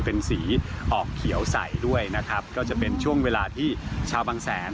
เป็นสีออกเขียวใสด้วยนะครับก็จะเป็นช่วงเวลาที่ชาวบางแสน